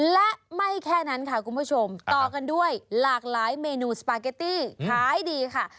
และไม่แค่นั้นค่ะคุณผู้ชมต่อกันด้วยหลากหลายเมนูสปาเกตตี้ขายดีค่ะ